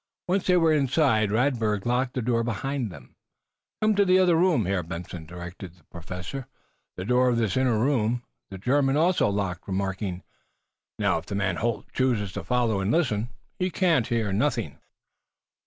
Once they were inside Radberg locked the door behind them. "Come to the other room, Herr Benson," directed the Professor. The door of this inner room the German also locked, remarking: "Now, if the man, Holt, chooses to follow and listen, he can hear nothing."